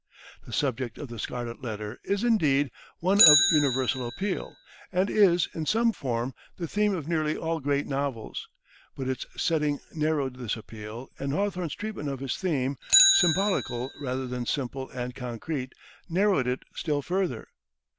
The subject of "The Scarlet Letter" is, indeed, one of universal appeal, and is, in some form, the theme of nearly all great novels; but its setting narrowed this appeal, and Hawthorne's treatment of his theme, symbolical rather than simple and concrete, narrowed it still further.